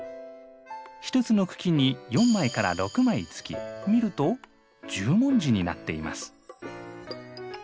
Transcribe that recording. １つの茎に４枚から６枚つき見ると十文字になっています。